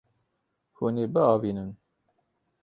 Hûn ê biavînin.